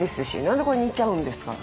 何でこんな煮ちゃうんですか。